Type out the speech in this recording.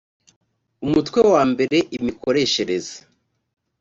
umutwe wa mbere imikoreshereze